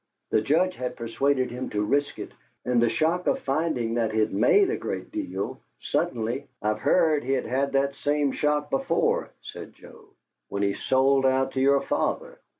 The Judge had persuaded him to risk it; and the shock of finding that he'd made a great deal suddenly " "I've heard he'd had that same shock before," said Joe, "when he sold out to your father."